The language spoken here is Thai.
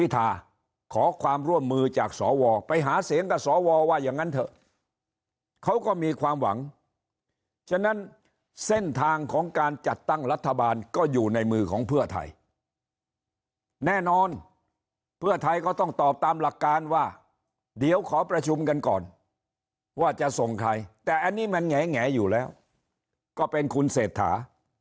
แต่อันนี้มันแหงแหงอยู่แล้วก็เป็นคุณเศษฐา